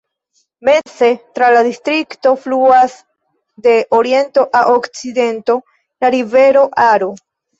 Meze tra la distrikto fluas de oriento al okcidento la rivero Aro.